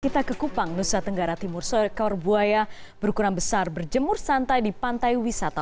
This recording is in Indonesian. kita ke kupang nusa tenggara timur seekor buaya berukuran besar berjemur santai di pantai wisata